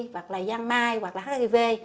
hoặc là gian mai hoặc là hiv